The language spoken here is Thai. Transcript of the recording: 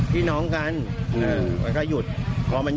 ทีนี้คุณผู้ชม